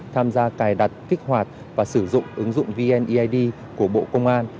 tham gia cài đặt kích hoạt và sử dụng ứng dụng vneid của bộ công an